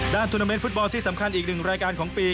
ด้านธุรกิจฝุ่นที่สำคัญอีกหนึ่งรายการของปี